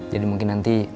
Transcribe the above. jadi mungkin nanti